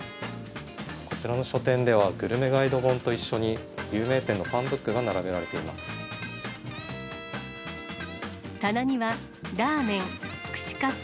こちらの書店では、グルメガイド本と一緒に有名店のファンブックが並べられています。